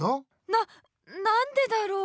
ななんでだろう